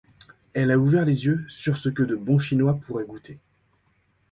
Elle a ouvert les yeux sur ce que de bons Chinois pourraient goûter.